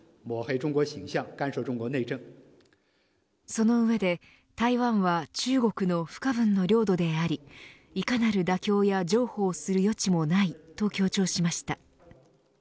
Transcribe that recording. その上で台湾は中国の不可分の領土でありいかなる妥協や譲歩をする余地もないと、強調しました。